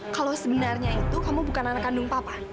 kalau sebenarnya itu kamu bukan anak kandung papa